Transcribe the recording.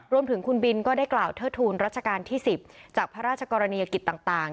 รวมถึงคุณบินก็ได้กล่าวเทิดทูลรัชกาลที่๑๐จากพระราชกรณียกิจต่าง